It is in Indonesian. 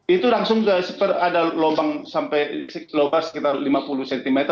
itu langsung ada lubang sampai sekitar lima puluh cm